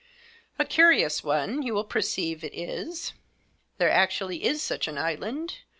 A curious one, you will perceive it is. There actually is such an island.